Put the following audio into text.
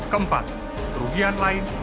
keempat kerugian lain bisa dituntutkan